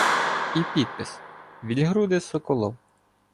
І підпис: Вільгруде-Соколов.